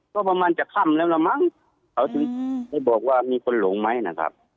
ก็ประมาณจะค่ำแล้วละมั้งเขาถึงได้บอกว่ามีคนหลงไหมนะครับ